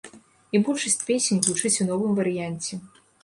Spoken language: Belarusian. І большасць песень гучыць у новым варыянце.